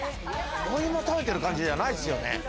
お芋食べてる感じじゃないですよね。